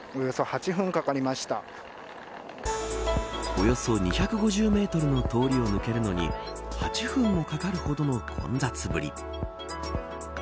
およそ２５０メートルの通りを抜けるのに８分もかかるほどの混雑ぶり。